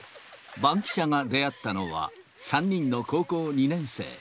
バンキシャが出会ったのは、３人の高校２年生。